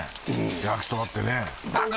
焼きそばってねバカ